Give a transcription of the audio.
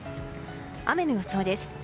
雨の予想です。